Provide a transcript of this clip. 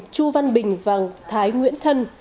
chú văn bình và thái nguyễn thân